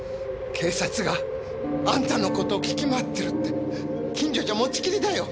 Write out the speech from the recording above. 警察があんたのこと聞き回ってるって近所じゃ持ちきりだよ。